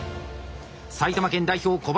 埼玉県代表小林。